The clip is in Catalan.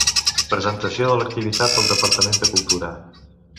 Presentació de l'activitat del Departament de Cultura.